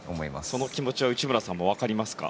その気持ちは内村さんもわかりますか？